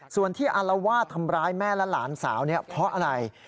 ส่วนที่อารวาสทำร้ายแม่และหลานสาวเนี่ยเพราะอะไร